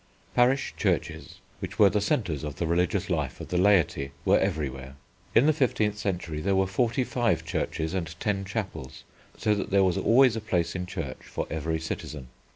Parish Churches, which were the centres of the religious life of the laity, were everywhere. In the fifteenth century there were forty five churches and ten chapels, so that there was always a place in church for every citizen.